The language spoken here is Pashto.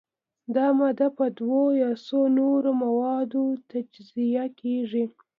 دا ماده په دوو یا څو نورو موادو تجزیه کیږي.